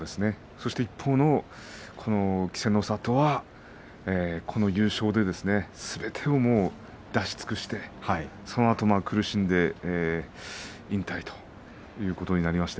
一方の稀勢の里はこの優勝ですべてを出し尽くしてそのあと苦しんで引退ということになりました。